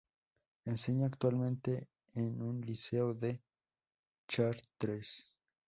Enseña actualmente en un liceo de Chartres.